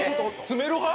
詰める派？